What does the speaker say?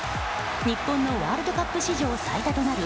日本のワールドカップ史上最多となる